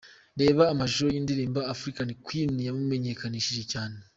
Reba amashusho y'indirimbo 'African Queen' yamumenyekanishije cyane .